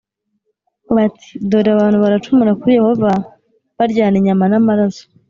bati dore abantu baracumura kuri Yehova baryana inyama n amaraso